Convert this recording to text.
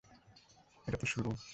এটা তো শুরু।